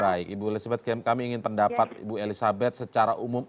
baik ibu elizabeth kami ingin pendapat ibu elizabeth secara umum